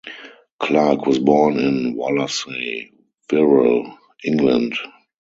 Clarke was born in Wallasey, Wirral, England.